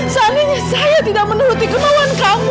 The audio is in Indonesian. seandainya saya tidak menuruti kemauan kamu